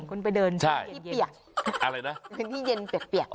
คุณไปเดินในพื้นที่เปียกเปียก